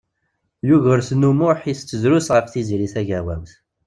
Yugurten U Muḥ itett drus ɣef Tiziri Tagawawt.